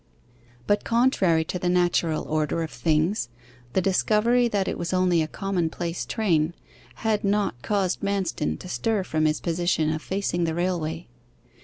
But contrary to the natural order of things, the discovery that it was only a commonplace train had not caused Manston to stir from his position of facing the railway.